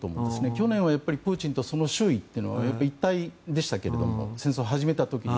去年はプーチンとその周囲というのは一体でしたけれども戦争を始めた時は。